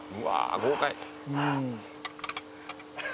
豪快。